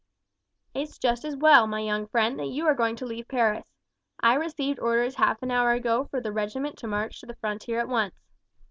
"It's just as well, my young friend, that you are going to leave Paris. I received orders half an hour ago for the regiment to march to the frontier at once.